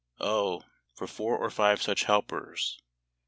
Oh, for four or five such helpers!